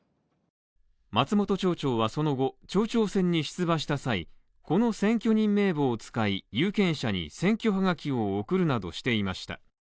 松本町長はその後町長選に出馬した際、この選挙人名簿を使い有権者に選挙はがきを送るなどしていました。